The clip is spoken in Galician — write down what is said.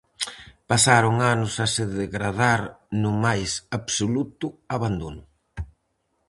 Pasaron anos a se degradar no máis absoluto abandono.